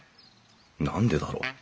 何でだろう。